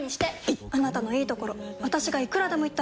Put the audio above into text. いっあなたのいいところ私がいくらでも言ってあげる！